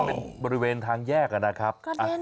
เป็นบริเวณทางแยกนะครับ